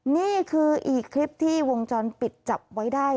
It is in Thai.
นี่คืออีกคลิปที่วงจรปิดจับไว้ได้